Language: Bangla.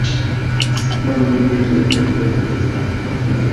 বরং বিভিন্ন সময়ে বিশ্ববিদ্যালয়কে জায়গা দান করায় ক্যাম্পাসের মাঝে পড়ে গেছে ব্যাংকটি।